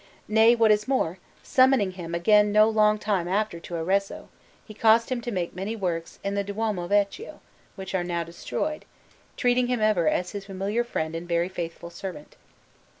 Nay, what is more, summoning him again no long time after to Arezzo, he caused him to make many works in the Duomo Vecchio, which are now destroyed, treating him ever as his familiar friend and very faithful servant.